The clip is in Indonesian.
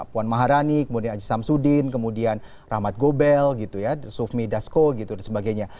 puan maharani kemudian aziz samsudin kemudian rahmat gobel gitu ya sufmi dasko gitu dan sebagainya